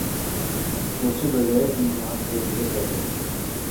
سوچے بغیر ہی یہاں سے گزر جاتا